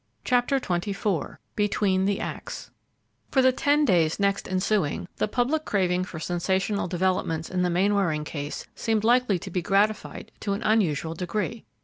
CHAPTER XXIV BETWEEN THE ACTS For the ten days next ensuing the public craving for sensational developments in the Mainwaring case seemed likely to be gratified to an unusual degree.